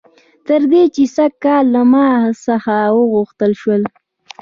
تر دې چې سږ کال له ما څخه وغوښتل شول